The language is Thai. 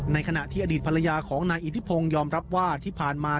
ขณะที่อดีตภรรยาของนายอิทธิพงศ์ยอมรับว่าที่ผ่านมา